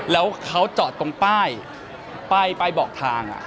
แล้วเขาจอดตรงป้ายป้ายบอกทาง